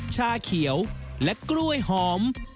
ชาเขียวและกล้วยหอม